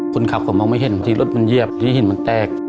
คนขับเขามองไม่เห็นทีรถมันเยียบทีหินมันแตก